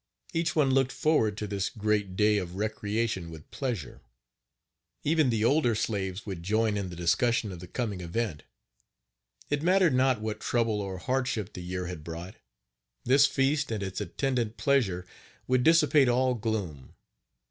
Each one looked forward to this great day of recreation with pleasure. Even the older slaves would join in the discussion of the coming event. It mattered not what trouble or hardship the year had brought, this feast and its attendant pleasure would dissipate all gloom.